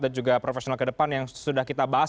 dan profesional ke depan yang sudah kita bahas